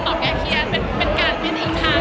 ตอนหลับเขี้ยนต่อไปกูต้องหลับ